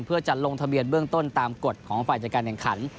เพื่อจะลงทะเบียนเบื้องต้นตามกฎของฝ่ายจัดการแข่งขัน